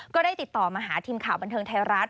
ก็ได้ติดต่อมาหาทีมข่าวบันเทิงไทยรัฐ